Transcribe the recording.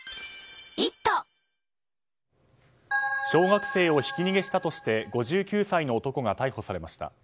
小学生をひき逃げしたとして５９歳の男が逮捕されました。